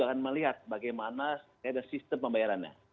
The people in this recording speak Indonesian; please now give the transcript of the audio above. akan melihat bagaimana ada sistem pembayarannya